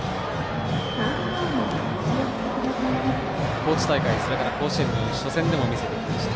高知大会甲子園の初戦でも見せてきました。